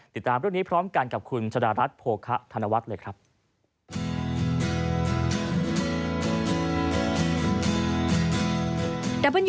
ติดตามรุ่นนี้พร้อมกันกับคุณชนรัฐโภคะธนวัฒน์